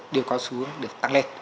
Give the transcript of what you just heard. đều có xu hướng được tăng lên